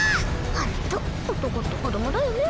ほんと男って子供だよね。